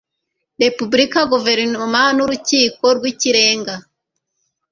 repubulika guverinoma n urukiko rw ikirenga